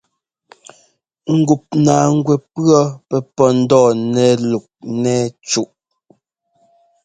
Ŋgup naaŋgwɛ pʉɔ́ pɛ́ pɔ́ ńdɔɔ nɛ lɔk ńnɛ́ɛ cúꞌ.